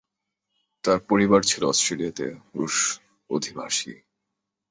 তার পরিবার ছিল অস্ট্রেলিয়াতে রুশ অভিবাসী।